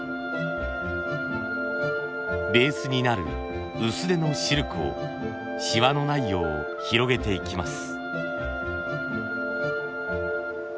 ベースになる薄手のシルクをシワのないよう広げていきます。